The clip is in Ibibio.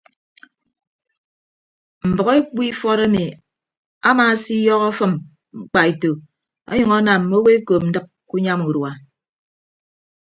Mbʌk ekpu ifọt emi amaasiyọhọ afịm mkpaeto ọnyʌñ anam mme owo ekop ndịk ke unyam urua.